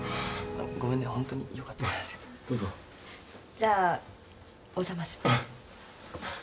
じゃお邪魔します。